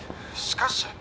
しかし。